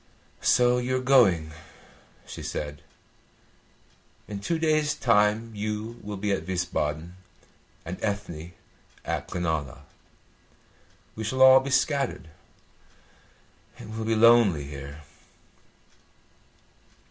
"So you are going," she said. "In two days' time you will be at Wiesbaden and Ethne at Glenalla. We shall all be scattered. It will be lonely here."